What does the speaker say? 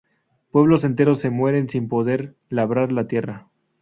Pueblos enteros se mueren sin poder labrar la tierra.